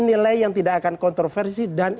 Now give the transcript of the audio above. nilai yang tidak akan kontroversi dan